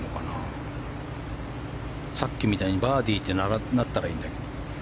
さっきみたいにバーディーってなったらいいんだけど。